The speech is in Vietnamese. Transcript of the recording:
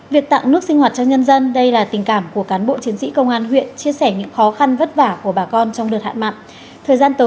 việc tặng nước sinh hoạt cho nhân dân đây là tình cảm của cán bộ chiến sĩ công an huyện